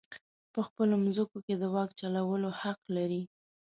په خپلو مځکو کې د واک چلولو حق لري.